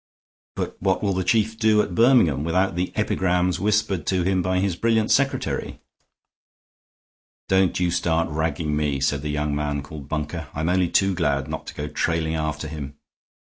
"But what will the Chief do at Birmingham without the epigrams whispered to him by his brilliant secretary?" "Don't you start ragging me," said the young man called Bunker. "I'm only too glad not to go trailing after him.